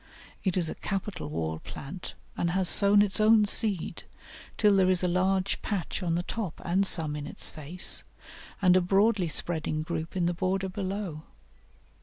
It is a capital wall plant, and has sown its own seed, till there is a large patch on the top and some in its face, and a broadly spreading group in the border below.